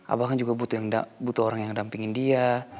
abang kan juga butuh orang yang dampingin dia